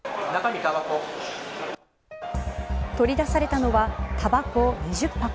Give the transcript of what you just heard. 取り出されたのはたばこ、２０箱。